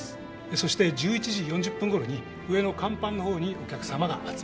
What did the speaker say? そして１１時４０分ごろに上の甲板のほうにお客さまが集まります。